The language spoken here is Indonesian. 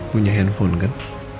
punya handphone kan